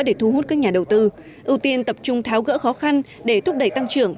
để thu hút các nhà đầu tư ưu tiên tập trung tháo gỡ khó khăn để thúc đẩy tăng trưởng